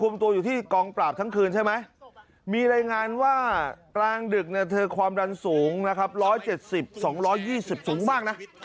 มีรายงานว่ากลางดึกความรันสูง๑๗๐๒๒๐ไม่สูงมากนะ